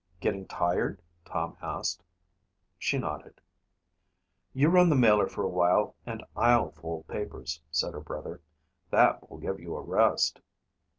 "Getting tired?" Tom asked. She nodded. "You run the mailer for a while and I'll fold papers," said her brother. "That will give you a rest."